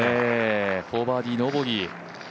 ４バーディー・ノーボギー。